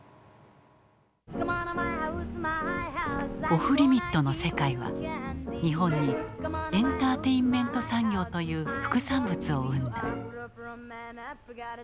オフリミットの世界は日本にエンターテインメント産業という副産物を生んだ。